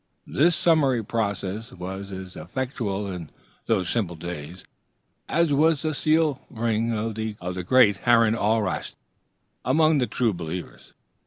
This summary process was as effectual in those simple days as was the seal ring of the great Haroun Alraschid among the true believers.